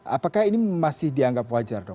apakah ini masih dianggap wajar dok